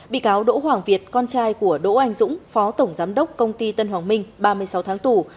bị cáo đỗ hoàng việt con trai của đỗ anh dũng phó tổng giám đốc công ty tân hoàng minh ba mươi sáu tháng tù